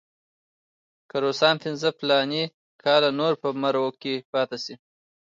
که روسان پنځه فلاني کاله نور په مرو کې پاتې شي.